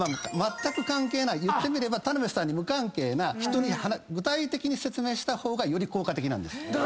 まったく関係ない言ってみれば田辺さんに無関係な人に具体的に説明した方がより効果的なんです。